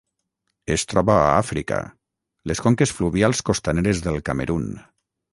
Es troba a Àfrica: les conques fluvials costaneres del Camerun.